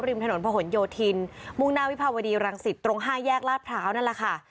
ริมถนนพะหนโยธินมุ่งหน้าวิภาวดีรังสิตตรง๕แยกลาดพร้าวนั่นแหละค่ะ